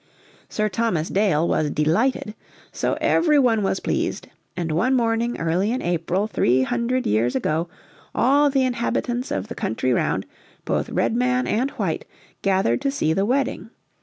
Sir Thomas Dale was delighted. So every one was pleased, and one morning early in April three hundred years ago all the inhabitants of the country round, both Redman and White, gathered to see the wedding.